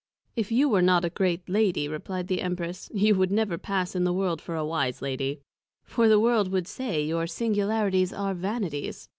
If you were not a great Lady, replied the Empress, you would never pass in the World for a wise Lady: for, the World would say, your Singularities are Vanities.